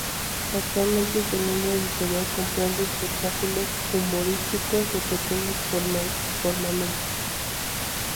Actualmente su línea editorial comprende espectáculos humorísticos de pequeño formato.